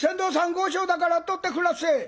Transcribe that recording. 後生だから取ってくなっせえ」。